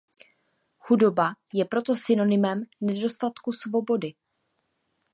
Chudoba je proto synonymem nedostatku svobody.